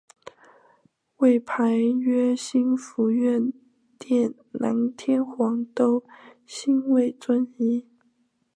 位牌曰兴福院殿南天皇都心位尊仪。